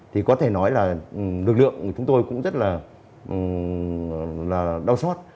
thì có thể nói là lực lượng của chúng tôi cũng rất là đau xót